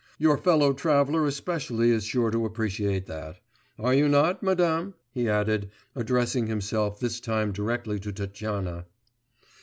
Your fellow traveller especially is sure to appreciate that. Are you not, madam?' he added, addressing himself this time directly to Tatyana.